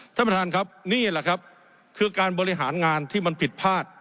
ท่านประธานครับนี่แหละครับคือการบริหารงานที่มันผิดพลาด